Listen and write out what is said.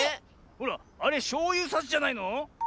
ほらあれしょうゆさしじゃないの？